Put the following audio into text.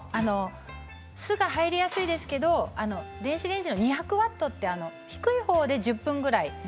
すが入りやすいんですけど電子レンジの２００ワット低いほうで１０分ぐらい。